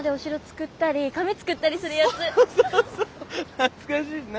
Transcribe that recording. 懐かしいな。